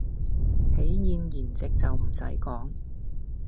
喜宴筵席就唔使講